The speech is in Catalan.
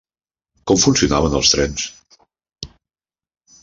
Com funcionaven els trens?